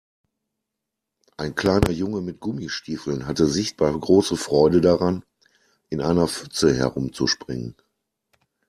Ein kleiner Junge mit Gummistiefeln hatte sichtbar große Freude daran, in einer Pfütze herumzuspringen.